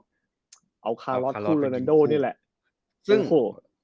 หรือเอาคาโรสคลูเรนานโด